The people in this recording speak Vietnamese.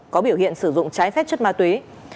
có biểu hiện sử dụng trái phép chất ma túy